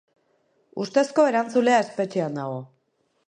Ustezko erantzulea espetxean dago.